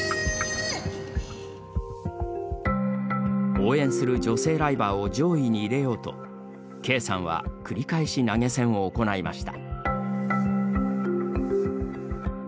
応援する女性ライバーを上位に入れようとＫさんは繰り返し投げ銭を行いました。